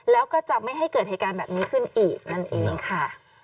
แล้วก็จะไม่ให้เกิดเหตุการณ์แบบนี้ขึ้นอีกนั่นเองค่ะ